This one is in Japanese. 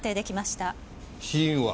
死因は？